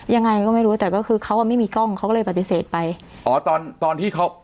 ยังไงก็ไม่รู้แต่ก็คือเขาอ่ะไม่มีกล้องเขาก็เลยปฏิเสธไปอ๋อตอนตอนที่เขา